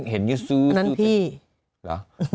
เห็นยังซื้อนั้นพี่หรอ